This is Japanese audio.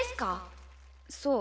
そう。